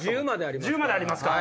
１０までありますから。